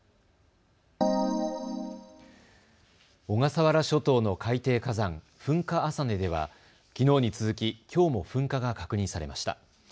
小笠原諸島の海底火山、噴火浅根ではきのうに続き、きょうも噴火が確認されました。